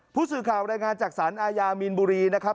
ผู้สื่อข่าวรายงานจากสารอาญามีนบุรีนะครับ